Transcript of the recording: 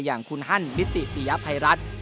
อย่างคุณฮั่นวิสรติภัยรัฐ